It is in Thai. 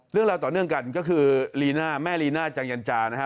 เรื่องราวต่อเนื่องกันก็คือลีน่าแม่ลีน่าจังยันจานะฮะ